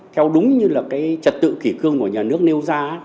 theo đúng như là cái trật tự kỷ cương của nhà nước nêu ra